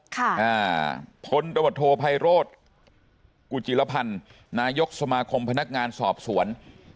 ค่ะอ่าพลตบทโทไพโรธกุจิลพันธ์นายกสมาคมพนักงานสอบสวน